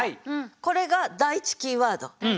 これが第１キーワード。